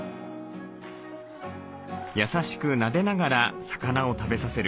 優しくなでながら魚を食べさせる。